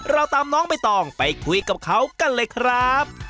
เราตามน้องใบตองไปคุยกับเขากันเลยครับ